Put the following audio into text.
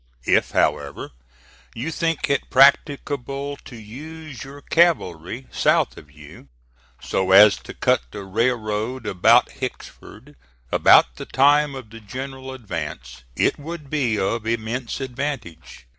If, however, you think it practicable to use your cavalry south of you, so as to cut the railroad about Hicksford, about the time of the general advance, it would be of immense advantage.